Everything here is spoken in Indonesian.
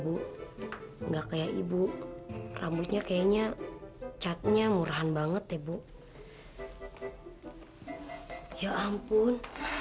juga tinggi lo bu enggak kayak ibu rambutnya kayaknya catnya murahan banget deh bu ya ampun